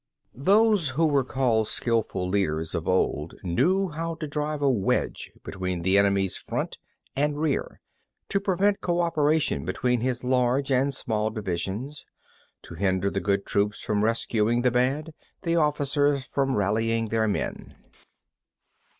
15. Those who were called skilful leaders of old knew how to drive a wedge between the enemy's front and rear; to prevent co operation between his large and small divisions; to hinder the good troops from rescuing the bad, the officers from rallying their men.